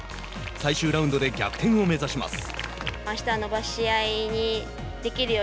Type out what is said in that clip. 最終ラウンドで逆転を目指します。